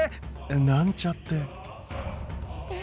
なんちゃって。